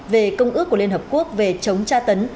về công ước của liên hợp quốc về chống tra tấn